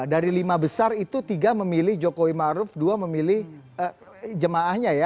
dari lima besar itu tiga memilih jokowi maruf dua memilih jemaahnya ya